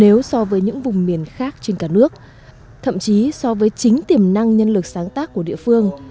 nếu so với những vùng miền khác trên cả nước thậm chí so với chính tiềm năng nhân lực sáng tác của địa phương